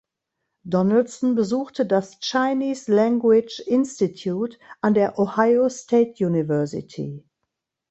Donaldson besuchte das "Chinese Language Institute" an der Ohio State University.